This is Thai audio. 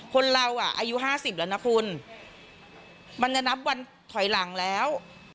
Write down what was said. คนเราอ่ะอายุ๕๐แล้วนะคุณมันจะนับวันถอยหลังแล้ว